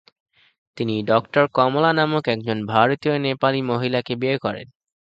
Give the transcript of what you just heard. তিনি ডঃ কমলা নামক একজন ভারতীয় নেপালি মহিলা কে বিয়ে করেন।